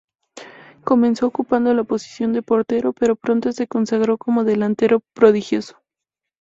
Comenzó ocupando la posición de portero pero pronto se consagró como delantero prodigioso.